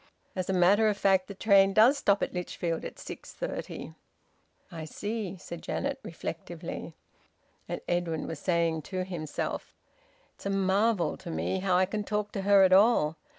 As a matter of fact, the train does stop at Lichfield about 6:30." "I see," said Janet reflectively. And Edwin was saying to himself "It's a marvel to me how I can talk to her at all.